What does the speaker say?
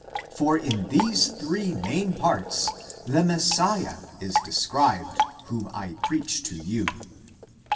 For in these three main parts the Messiah is described, whom I preach to you.